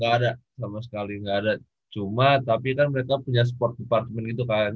nggak ada sama sekali nggak ada cuma tapi kan mereka punya sport department gitu kan